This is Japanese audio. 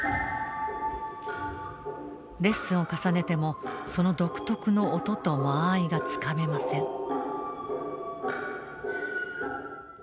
レッスンを重ねてもその独特の音と間合いがつかめません。